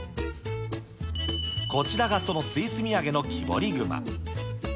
こちらがそのスイス土産の木彫り熊。